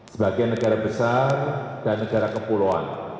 sebagai negara besar dan negara kepulauan